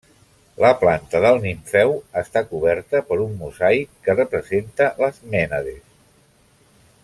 La planta del nimfeu està coberta per un mosaic que representa les Mènades.